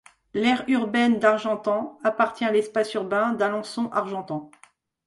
L'aire urbaine d'Argentan appartient à l'espace urbain d'Alençon-Argentan.